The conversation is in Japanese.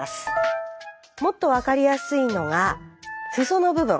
もっと分かりやすいのが裾の部分。